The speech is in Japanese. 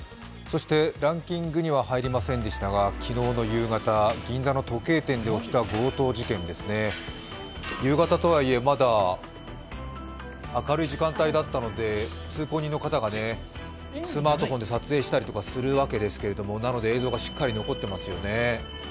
ランキングには入りませんでしたが昨日の夕方銀座の時計店で起きた強盗事件、夕方とはいえまだ明るい時間帯だったので、通行人の方がスマートフォンで撮影したりするわけですが、なので映像がしっかり残ってますよね。